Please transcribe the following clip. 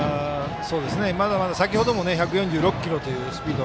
先ほども１４６キロというスピード